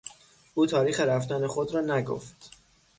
او تاریخ رفتن خود را نگفت.